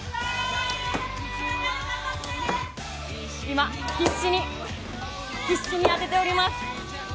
今、必死に必死に当てております。